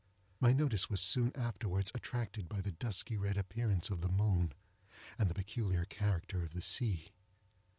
My notice was soon afterwards attracted by the dusky red appearance of the moon, and the peculiar character of the sea.